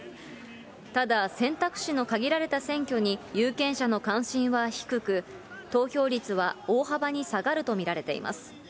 ただ選択肢の限られた選挙に有権者の関心は低く、投票率は大幅に下がると見られています。